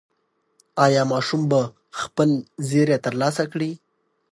ایا ماشوم به خپل زېری ترلاسه کړي؟